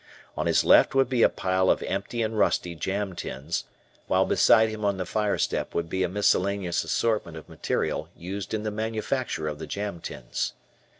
On his left would be a pile of empty and rusty jam tins, while beside him on the fire step would be a miscellaneous assortment of material used in the manufacture of the "jam tins."